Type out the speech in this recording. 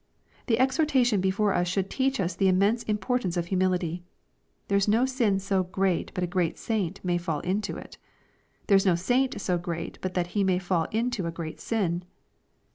The exhortation before us should teach us the immense importance of humility. There is no sin so great but a great saint may fall into it. There is no saint so great but he may fall into a great sin.